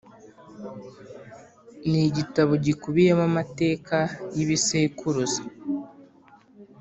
Ni igitabo gikubiyemo amateka y’ibisekuruza